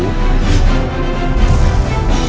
โปรดติดตามตอนต่อไป